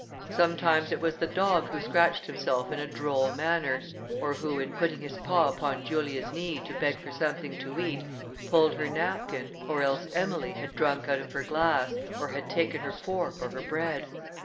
Sometimes it was the dog who scratched himself in a droll manner, or who, in putting his paw upon Julia's knee to beg for something to eat, pulled her napkin, or else Emily had drunk out of her glass, or had taken her fork or her bread.